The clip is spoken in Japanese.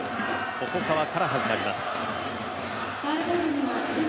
細川から始まります。